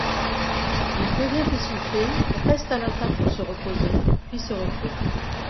Il devient essoufflé, reste à la table pour se reposer puis se retire.